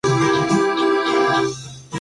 La carátula evoca a imágenes de Quilapayún.